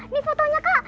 nih fotonya kak